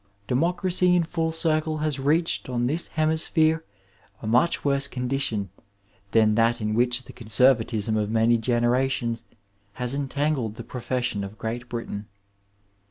Democracy in foil cirde has reached on this hemisphere a much worse condition than that in which the conservatism of many generations has entangled the profession of Qreat Britain.